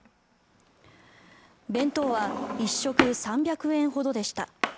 弁当は１食３００円ほどでした。